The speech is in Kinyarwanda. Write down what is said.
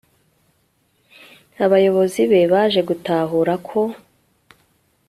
abayobozi be baje gutahura ko